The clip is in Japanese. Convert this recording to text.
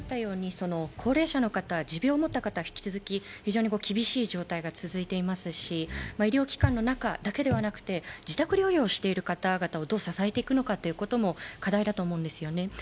高齢者の方、持病を持った方は引き続き非常に厳しい状況が続いていますし医療機関の中だけでなく、自宅療養をしている方々をどう支えていくのかも課題だと思うんですよね。